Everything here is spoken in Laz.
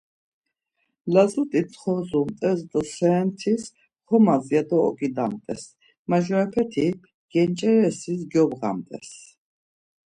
Lazut̆i ntxozumt̆es do serentis, xomas ya do oǩidamt̆es, majurapeti genç̌ereris gyobğamt̆es.